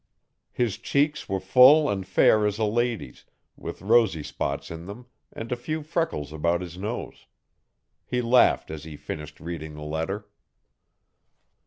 His cheeks were fall and fair as a lady's, with rosy spots in them and a few freckles about his nose. He laughed as he finished reading the letter.